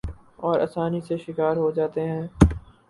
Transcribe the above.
اور آسانی سے شکار ہو جاتے ہیں ۔